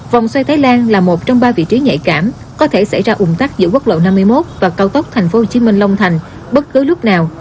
vòng xoay thái lan là một trong ba vị trí nhạy cảm có thể xảy ra ủng tắc giữa quốc lộ năm mươi một và cao tốc tp hcm long thành bất cứ lúc nào